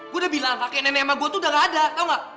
gue udah bilang kakek nenek sama gue tuh udah nggak ada tau nggak